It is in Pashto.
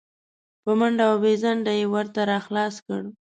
په منډه او بې ځنډه یې ور راته خلاص کړ.